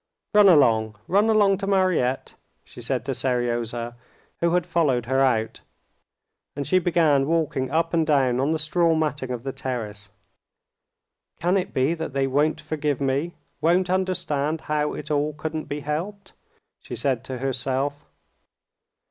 "Run along, run along to Mariette," she said to Seryozha, who had followed her out, and she began walking up and down on the straw matting of the terrace. "Can it be that they won't forgive me, won't understand how it all couldn't be helped?" she said to herself.